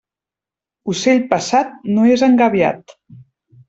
Ocell passat no és engabiat.